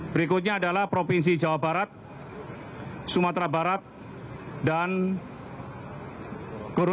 berikutnya adalah provinsi jawa barat sumatera barat dan goronta